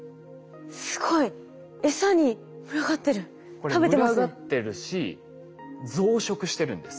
これ群がってるし増殖してるんです。